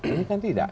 ini kan tidak